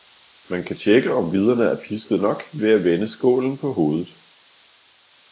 Man kan tjekke, om hviderne er pisket nok, ved at vende skålen på hovedet.